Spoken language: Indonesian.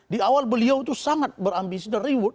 di awal beliau itu sangat berambisi